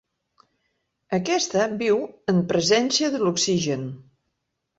Aquesta viu en presència de l'oxigen.